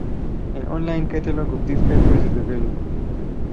An online catalogue of these papers is available.